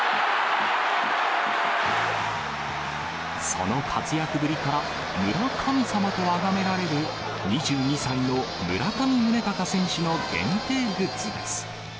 その活躍ぶりから、村神様とあがめられる、２２歳の村上宗隆選手の限定グッズです。